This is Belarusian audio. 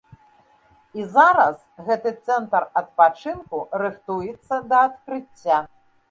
І зараз гэты цэнтр адпачынку рыхтуецца да адкрыцця.